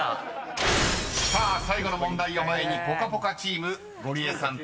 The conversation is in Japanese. ［さあ最後の問題を前にぽかぽかチームゴリエさんと堀内さん